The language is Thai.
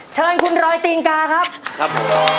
เชิญคุณรอยตีนกาครับครับผม